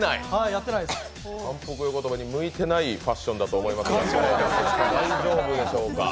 反復横跳びに向いてないファッションだと思いますが大丈夫でしょうか。